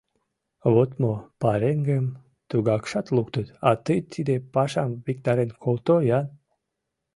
— Вот мо, пареҥгым тугакшат луктыт, а тый тиде пашам виктарен колто-ян!